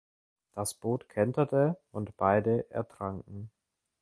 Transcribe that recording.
Das Boot kenterte und beide ertranken.